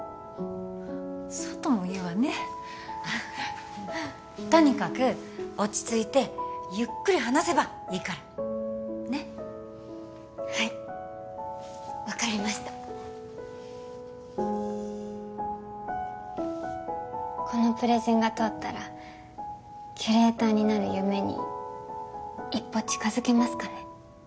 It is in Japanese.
そうとも言うわねとにかく落ち着いてゆっくり話せばいいからねっはい分かりましたこのプレゼンが通ったらキュレーターになる夢に一歩近づけますかね